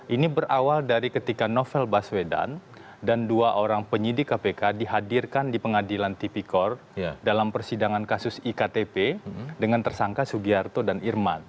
ini berawal dari ketika novel baswedan dan dua orang penyidik kpk dihadirkan di pengadilan tipikor dalam persidangan kasus iktp dengan tersangka sugiarto dan irman